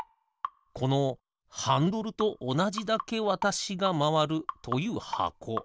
このハンドルとおなじだけわたしがまわるというはこ。